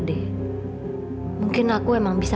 bapak mau kemana